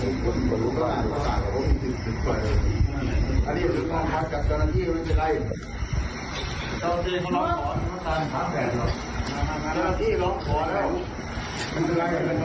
ไม่ต้องเรื่องนั้นต่อเบาเข้าให้มาเลย